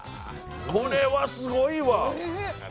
これはすごいわ。